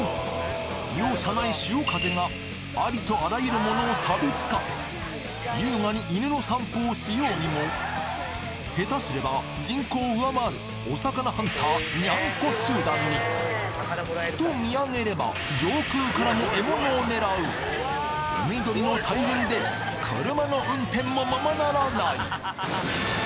容赦ない潮風がありとあらゆるものをサビつかせ優雅に犬の散歩をしようにも下手すれば人口を上回るお魚ハンターニャンコ集団にふと見上げれば上空からも獲物を狙う海鳥の大群で車の運転もままならない